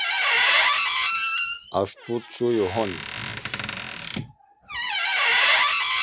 Аж ту чую — гомін.